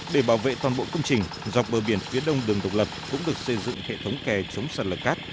để bảo vệ toàn bộ công trình dọc bờ biển phía đông đường độc lập cũng được xây dựng hệ thống kè chống sạt lở cát